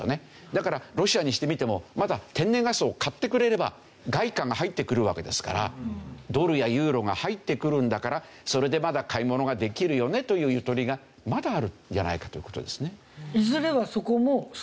だからロシアにしてみてもまだ天然ガスを買ってくれれば外貨が入ってくるわけですからドルやユーロが入ってくるんだからそれでまだ買い物ができるよねというゆとりがまだあるんじゃないかという事ですね。